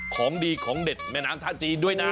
ของดีของเด็ดแม่น้ำท่าจีนด้วยนะ